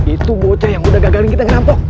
itu bocah yang udah gagalin kita ngerampok